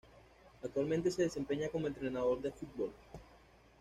Actualmente se desempeña como entrenador de fútbol.